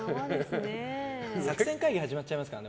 作戦会議始まっちゃいますからね